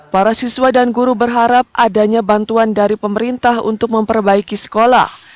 para siswa dan guru berharap adanya bantuan dari pemerintah untuk memperbaiki sekolah